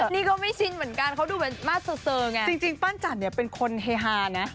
นี่ก็ไม่ชินเหมือนกันเขาดูเหมือนมาเซอร์ไงจริงปั้นจันเนี่ยเป็นคนเฮฮานะ